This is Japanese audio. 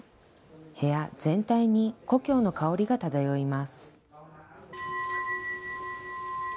部屋全体に故郷の香りが漂います。